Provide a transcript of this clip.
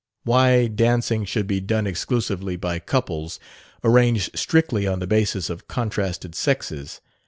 Why dancing should be done exclusively by couples arranged strictly on the basis of contrasted sexes...!